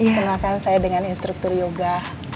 kenalkan saya dengan instruktur yoga